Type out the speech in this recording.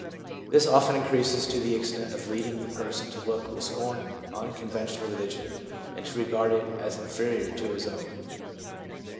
This often increases to the extent of leading the person to look with scorn on conventional religion, and to regard it as inferior to his own.